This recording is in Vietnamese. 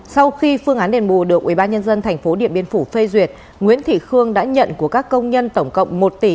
sau khi phương án đền bù được ubnd tp điện biên phủ phê duyệt nguyễn thị khương đã nhận của các công nhân tổng cộng một tỷ